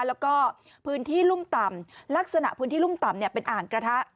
แล้วก็พื้นที่รุ่มต่ำลักษณะพื้นที่รุ่มต่ำเป็นอ่างกระทะ